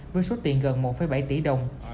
với số tiền gần một bảy tỷ đồng